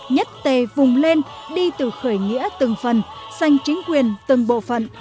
nhất tề vùng lên đi từ khởi nghĩa từng phần xanh chính quyền từng bộ phận